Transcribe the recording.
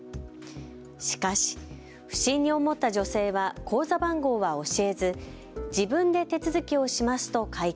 しかし不審に思った女性は口座番号は教えず自分で手続きをしますと回答。